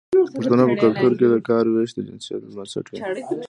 د پښتنو په کلتور کې د کار ویش د جنسیت پر بنسټ وي.